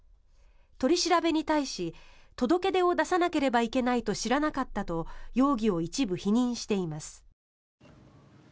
取り調べに対し届け出を出さなければいけないと知らなかったと容疑を一部否認しています。